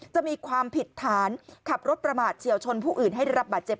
จะมีความผิดฐานขับรถประมาทเฉียวชนผู้อื่นให้ได้รับบาดเจ็บ